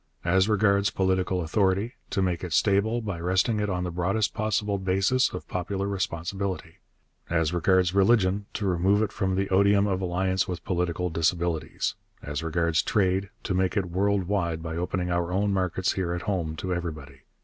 As regards political authority, to make it stable by resting it on the broadest possible basis of popular responsibility. As regards religion, to remove it from the odium of alliance with political disabilities. As regards trade, to make it world wide by opening our own markets here at home to everybody.